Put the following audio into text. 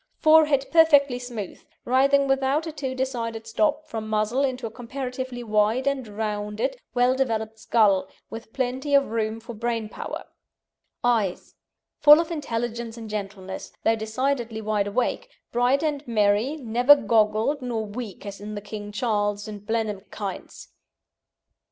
Forehead perfectly smooth, rising without a too decided stop from muzzle into a comparatively wide and rounded, well developed skull, with plenty of room for brain power. EYES Full, but not prominent, hazel or brown coloured, with a general expression of intelligence and gentleness, though decidedly wideawake, bright and merry, never goggled nor weak as in the King Charles and Blenheim kinds.